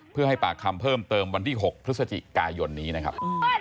เพื่อให้ปากคำเพิ่มเติมวันที่๖พฤศจิกายนนี้นะครับ